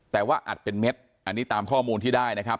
แต่ว่าอัดเป็นเม็ดอันนี้ตามข้อมูลที่ได้นะครับ